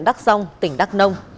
đắk song tỉnh đắk nông